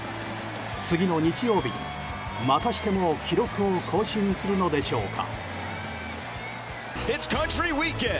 次の日曜日にまたしても記録を更新するのでしょうか。